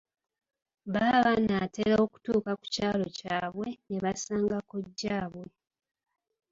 Baba banaatera okutuuka ku kyalo kyabwe ne basanga kojjaabwe.